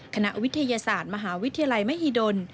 คณะวิทยาศาสตร์มหาวิทยาลัยมหิดล